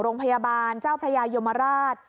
โรงพยาบาลเจ้าพระยายมราช